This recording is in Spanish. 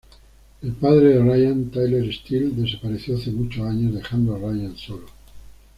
El padre de Ryan, Tyler Steele, desapareció hace muchos años dejando a Ryan solo.